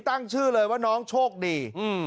ตั้งชื่อเลยว่าน้องโชคดี